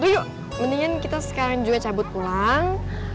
yuk mendingan kita sekarang juga cabut pulang